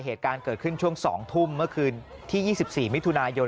เหตุการณ์เกิดขึ้นช่วง๒ทุ่มเมื่อคืนที่๒๔มิถุนายน